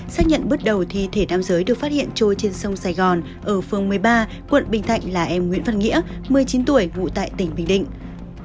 xác nhận bước đầu thi thể nam giới được phát hiện trôi trên sông sài gòn ở phương một mươi ba quận bình thạnh là em nguyễn văn nghĩa một mươi chín tuổi ngụ tại tỉnh bình định